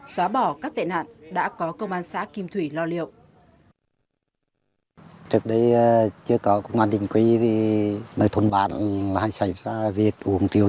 xóa bỏ các tệ nạn đã có công an xã kim thủy lo liệu